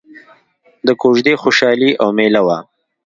د کوژدې خوشحالي او ميله وه.